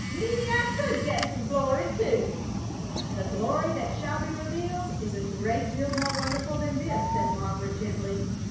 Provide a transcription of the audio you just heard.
Mebbe I could get some glory, too." "'The glory that shall be revealed' is a great deal more wonderful than this," said Margaret, gently.